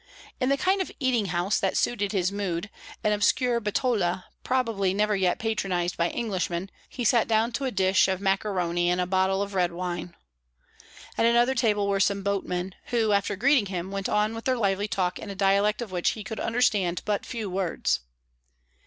In the kind of eating house that suited his mood, an obscure bettola probably never yet patronized by Englishman, he sat down to a dish of maccheroni and a bottle of red wine. At another table were some boatmen, who, after greeting him, went on with their lively talk in a dialect of which he could understand but few words.